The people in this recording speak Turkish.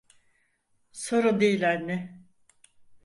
Sorun değil anne.